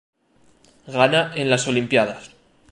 Ghana en las olimpíadas